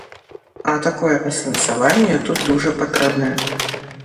А такое асэнсаванне тут дужа патрэбнае.